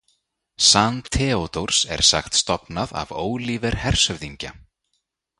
San Theódórs er sagt stofnað af Olíver hershöfðingja.